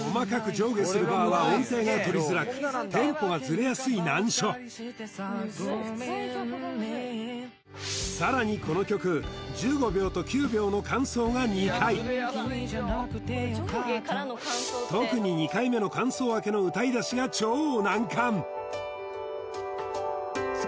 上下するバーは音程が取りづらくテンポがズレやすい難所さらにこの曲１５秒と９秒の間奏が２回特に２回目の間奏明けの歌い出しが超難関！